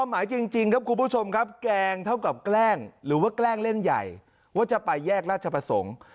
มาอีกคำหนึ่ง